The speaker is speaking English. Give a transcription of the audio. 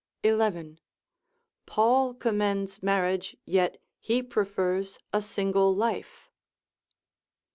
—11. Paul commends marriage, yet he prefers a single life.